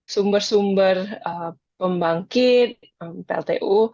sumber sumber pembangkit pltu